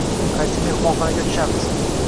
Qaysi mehmonxonaga tushamiz?